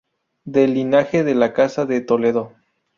Del linaje de la Casa de Toledo.